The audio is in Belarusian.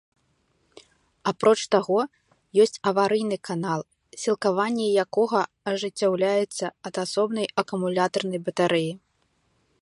Апроч таго, ёсць аварыйны канал, сілкаванне якога ажыццяўляецца ад асобнай акумулятарнай батарэі.